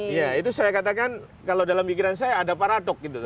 iya itu saya katakan kalau dalam pikiran saya ada paradok gitu